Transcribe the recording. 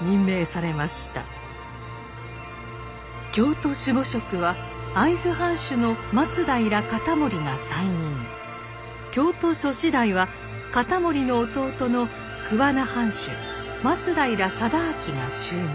京都守護職は会津藩主の松平容保が再任京都所司代は容保の弟の桑名藩主松平定敬が就任。